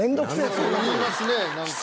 言いますね何か。